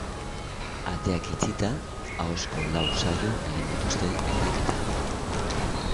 Ateak itxita, ahozko lau saio egin dituzte epaiketan.